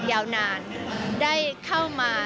ยาวนานได้เข้ามา